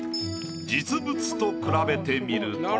実物と比べてみると。